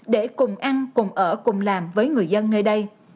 để cùng ăn cùng ở cùng làm với người dân nơi đây